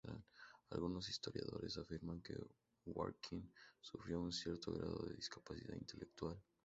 Algunos historiadores afirman que Warwick sufría un cierto grado de discapacidad intelectual.